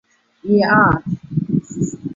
赖特韦因是德国勃兰登堡州的一个市镇。